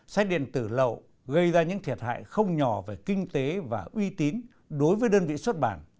sách điện tử lậu gây ra những thiệt hại không nhỏ về kinh tế và uy tín đối với đơn vị xuất bản